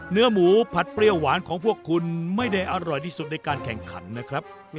เนื้อหมูผัดเปรี้ยวหวานของพวกคุณไม่ได้อร่อยที่สุดในการแข่งขันนะครับ